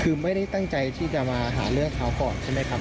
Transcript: คือไม่ได้ตั้งใจที่จะมาหาเรื่องเขาก่อนใช่ไหมครับ